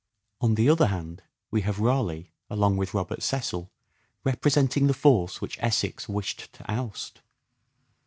On the other hand, we have Raleigh along with Robert Cecil representing the force which Essex wished to oust.